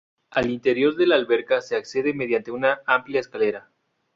Al interior de la alberca se accede mediante una amplia escalera.